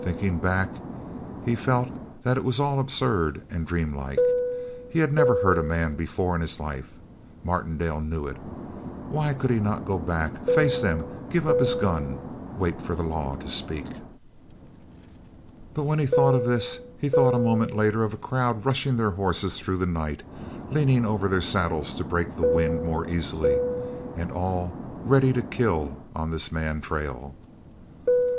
Thinking back, he felt that it was all absurd and dreamlike. He had never hurt a man before in his life. Martindale knew it. Why could he not go back, face them, give up his gun, wait for the law to speak? But when he thought of this he thought a moment later of a crowd rushing their horses through the night, leaning over their saddles to break the wind more easily, and all ready to kill on this man trail.